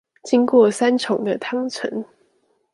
經過三重的湯城